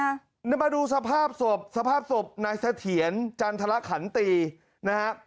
เดี๋ยวมาดูสภาพศพสภาพศพนายเสถียรจันทรขันตีนะฮะ